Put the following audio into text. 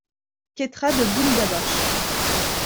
Ketra de Boom Da Bash.